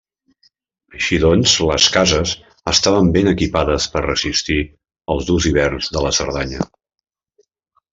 Així doncs, les casses estaven ben equipades per resistir els durs hiverns a la Cerdanya.